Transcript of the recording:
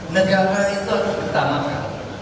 negara itu harus kita makan